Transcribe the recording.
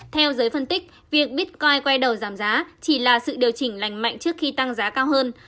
theo giới phân tích việc bitcoin quay đầu giảm giá chỉ là sự điều chỉnh lành mạnh trước khi tăng giá cao hơn